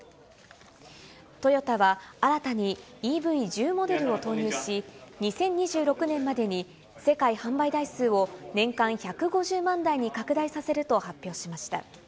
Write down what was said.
トヨタは新たにＥＶ１０モデルを投入し、２０２６年までに世界販売台数を年間１５０万台に拡大させると発表しました。